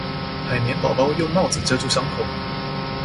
海綿寶寶用帽子遮住傷口